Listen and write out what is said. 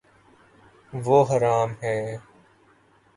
وہ ہرا م ہے